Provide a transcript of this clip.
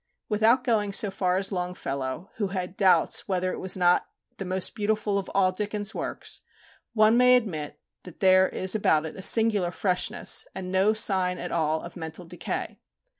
Without going so far as Longfellow, who had doubts whether it was not "the most beautiful of all" Dickens' works, one may admit that there is about it a singular freshness, and no sign at all of mental decay.